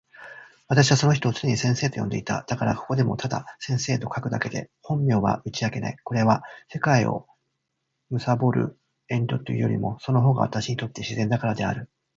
私はその人を常に先生と呼んでいた。だから、ここでもただ先生と書くだけで、本名は打ち明けない。これは、世界を憚る遠慮というよりも、その方が私にとって自然だからである。